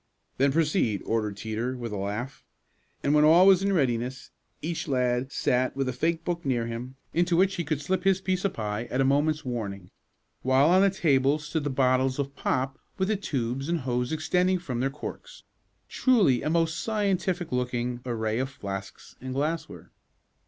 "Then proceed," ordered Teeter with a laugh; and when all was in readiness each lad sat with a fake book near him, into which he could slip his piece of pie at a moment's warning, while on the table stood the bottles of pop with the tubes and hose extending from their corks truly a most scientific looking array of flasks and glassware.